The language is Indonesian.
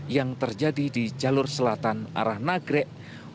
yang terjadi di jalur selatan arah nagrek